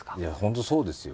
本当そうですよ。